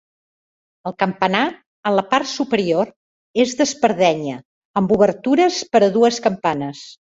El campanar, en la part superior, és d'espadanya amb obertures per a dues campanes.